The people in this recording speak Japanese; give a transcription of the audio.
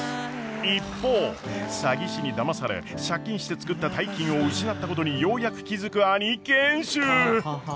一方詐欺師にだまされ借金して作った大金を失ったことにようやく気付く兄賢秀。